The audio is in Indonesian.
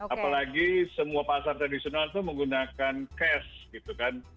apalagi semua pasar tradisional itu menggunakan cash gitu kan